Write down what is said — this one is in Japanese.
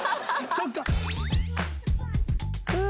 そっか。